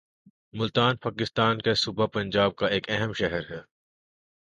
ملتان پاکستان کے صوبہ پنجاب کا ایک اہم شہر ہے